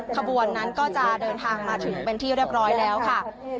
ขบวนนั้นก็จะเดินทางมาถึงเป็นที่เรียบร้อยแล้วค่ะ